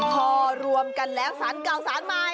พอรวมกันแล้วสารเก่าสารใหม่